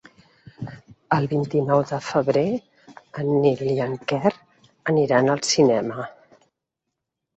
El vint-i-nou de febrer en Nil i en Quer aniran al cinema.